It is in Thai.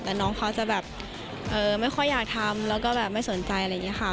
แต่น้องเขาจะแบบไม่ค่อยอยากทำแล้วก็แบบไม่สนใจอะไรอย่างนี้ค่ะ